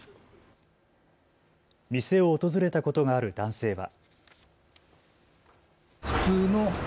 店を訪れたことがある男性は。